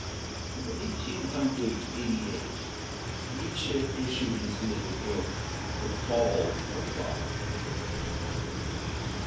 In Eighteen Hundred Eighty eight, Nietzsche issued his little book, "The Fall of Wagner."